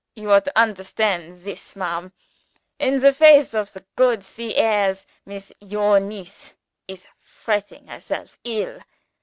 "You are to understand this, madam. In the face of the goot sea airs, Miss your niece is fretting herself ill.